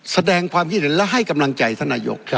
แสดงความคิดเห็นและให้กำลังใจท่านนายก